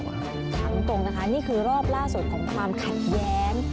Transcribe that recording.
ฟังตรงนะคะนี่คือรอบล่าสุดของความขัดแย้ง